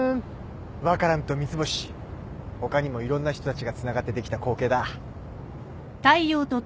ワカランと三ツ星他にもいろんな人たちがつながってできた光景だ。